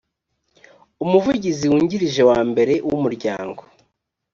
umuvugizi wungirije wa mbere w umuryango